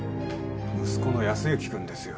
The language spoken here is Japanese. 息子の靖之くんですよ。